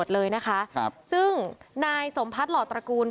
เลยนะคะครับซึ่งนายสมพัฒน์หล่อตระกูล